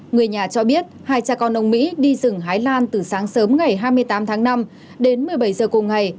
người nhà cho biết hai cha con ông mỹ đi rừng thái lan từ sáng sớm ngày hai mươi tám tháng năm đến một mươi bảy giờ cùng ngày